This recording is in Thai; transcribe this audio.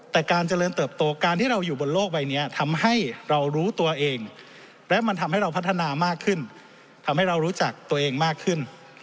แต่การเจริญเติบโตการที่เราอยู่บนโลกใบนี้ทำให้เรารู้ตัวเองและมันทำให้เราพัฒนามากขึ้นทำให้เรารู้จักตัวเองมากขึ้น